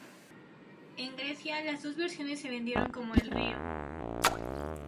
En Grecia, las dos versiones se vendieron como el "Río".